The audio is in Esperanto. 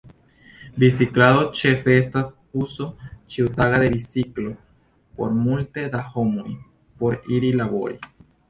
Biciklado ĉefe estas uzo ĉiutaga de biciklo por multe da homoj, por iri labori.